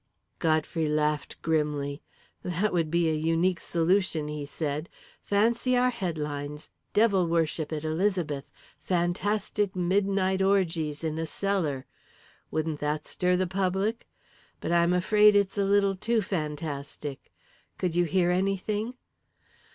Godfrey laughed grimly. "That would be a unique solution," he said. "Fancy our headlines: 'Devil Worship at Elizabeth! Fantastic Midnight Orgies in a Cellar!' Wouldn't that stir the public? But I'm afraid it's a little too fantastic. Could you hear anything?"